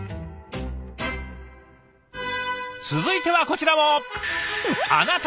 続いてはこちらも。